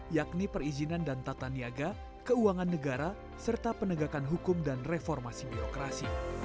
yakni perizinan dan tata niaga keuangan negara serta penegakan hukum dan reformasi birokrasi